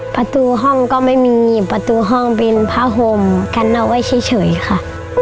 ประตูห้องก็ไม่มีประตูห้องเป็นผ้าห่มกันเอาไว้เฉยค่ะ